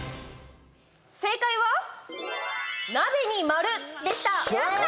正解は、鍋に丸でした。